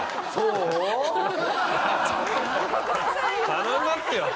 頼みますよ。